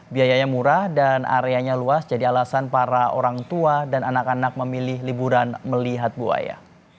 biayanya murah dan areanya luas jadi alasan para orang tua dan anak anak memilih liburan melihat buaya